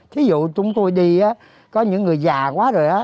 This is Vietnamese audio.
thí dụ chúng tôi đi có những người già quá rồi